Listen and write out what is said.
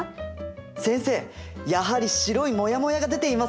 先生やはり白いモヤモヤが出ていますね！